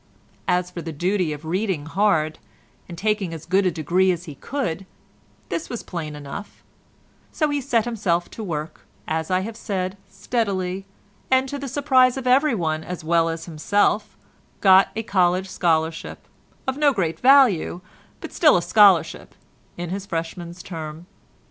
As for the duty of reading hard, and taking as good a degree as he could, this was plain enough, so he set himself to work, as I have said, steadily, and to the surprise of everyone as well as himself got a college scholarship, of no great value, but still a scholarship, in his freshman's term.